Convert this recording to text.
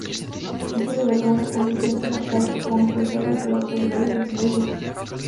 Esto le daría una "convincente fachada" como empresario ante las autoridades británicas.